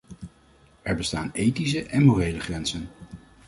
Er bestaan ethische en morele grenzen.